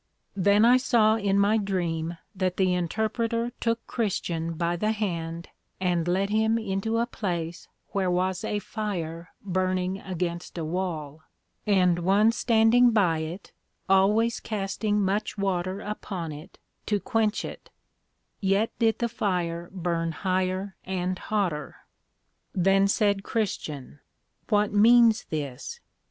Then I saw in my Dream that the Interpreter took Christian by the hand, and led him into a place where was a Fire burning against a wall, and one standing by it, always casting much Water upon it, to quench it; yet did the Fire burn higher and hotter. Then said Christian, What means this?